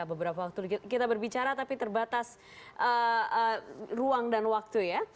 beberapa waktu kita berbicara tapi terbatas ruang dan waktu ya